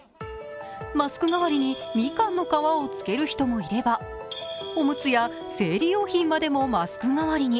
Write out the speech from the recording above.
マスク代わりにみかんの皮をつける人もいればおむつや生理用品までもマスク代わりに。